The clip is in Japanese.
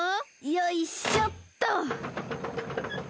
よいしょっと。